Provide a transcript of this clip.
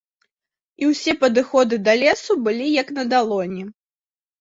І ўсе падыходы да лесу былі як на далоні.